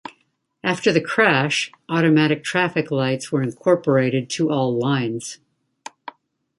After the crash, automatic traffic lights were incorporated to all lines.